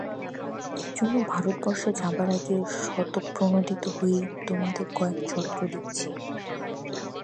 এইজন্য ভারতবর্ষে যাবার আগে স্বতঃপ্রণোদিত হয়েই তোমাদের কয়েক ছত্র লিখছি।